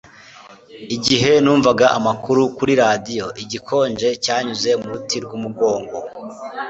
igihe numvaga amakuru kuri radiyo, igikonje cyanyuze mu ruti rw'umugongo